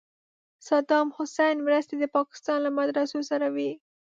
صدام حسین مرستې د پاکستان له مدرسو سره وې.